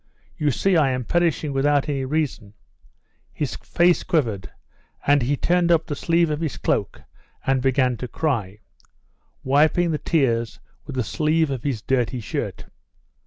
"You see I am perishing without any reason." His face quivered and he turned up the sleeve of his cloak and began to cry, wiping the tears with the sleeve of his dirty shirt.